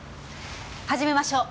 始めましょう。